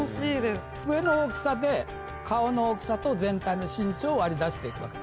笛の大きさで顔の大きさと全体の身長を割り出して行くわけで。